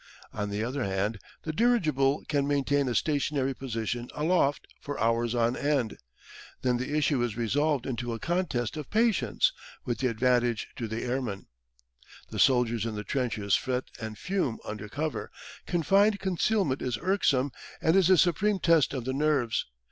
On the other hand, the dirigible can maintain a stationary position aloft for hours on end. Then the issue is resolved into a contest of patience, with the advantage to the airman. The soldiers in the trenches fret and fume under cover; confined concealment is irksome and is a supreme test of the nerves.